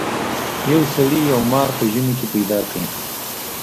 یو سړي یو مار په ژمي کې پیدا کړ.